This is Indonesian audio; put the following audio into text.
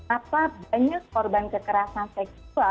apa banyak korban kekerasan seksual